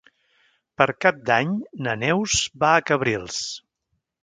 Per Cap d'Any na Neus va a Cabrils.